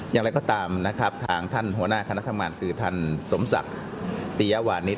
อย่างไรก็ตามนะครับทางท่านหัวหน้าคณะทำงานคือท่านสมศักดิ์ติยวานิส